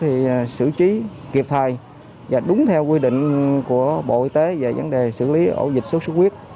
thì xử trí kịp thời và đúng theo quy định của bộ y tế về vấn đề xử lý ổ dịch sốt xuất huyết